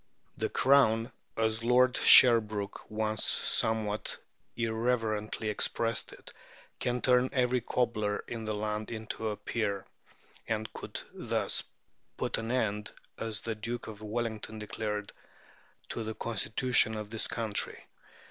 The Crown, as Lord Sherbrooke once somewhat irreverently expressed it, "can turn every cobbler in the land into a peer," and could thus put an end, as the Duke of Wellington declared, to "the Constitution of this country."